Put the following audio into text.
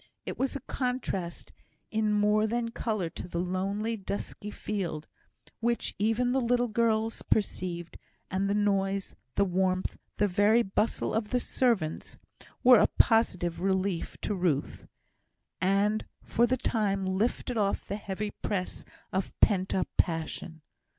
It was a contrast in more than colour to the lonely, dusky field, which even the little girls perceived; and the noise, the warmth, the very bustle of the servants, were a positive relief to Ruth, and for the time lifted off the heavy press of pent up passion.